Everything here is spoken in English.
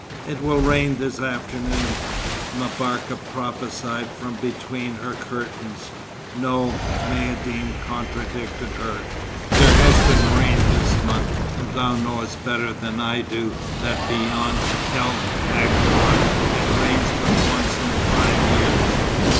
"It will rain this afternoon," M'Barka prophesied from between her curtains. "No," Maïeddine contradicted her. "There has been rain this month, and thou knowest better than I do that beyond El Aghouat it rains but once in five years.